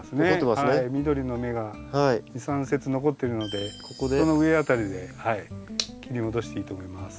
はい緑の芽が２３節残ってるのでその上辺りで切り戻していいと思います。